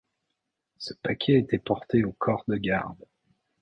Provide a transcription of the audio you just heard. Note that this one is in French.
Ce paquet était porté au corps de garde.